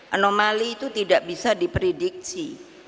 anomali itu tidak bisa diprediksi